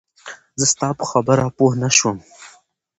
زه ستا په خبره پوهه نه شوم